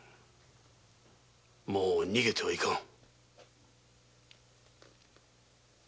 もう逃げてはいかん。